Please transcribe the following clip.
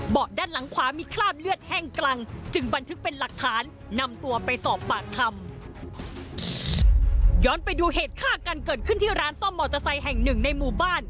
ด้านหลังขวามีคราบเลือดแห้งกลางจึงบันทึกเป็นหลักฐานนำตัวไปสอบปากคำย้อนไปดูเหตุฆ่ากันเกิดขึ้นที่ร้านซ่อมมอเตอร์ไซค์แห่งหนึ่งในหมู่บ้าน